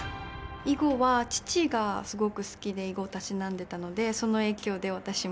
囲碁は父がすごく好きで囲碁をたしなんでたのでその影響で私も。